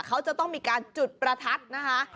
เขาจะต้องมีการจุดประทัดนะคะ